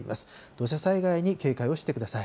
土砂災害に警戒をしてください。